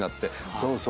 そうそう。